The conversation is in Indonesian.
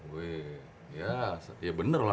wih ya bener lah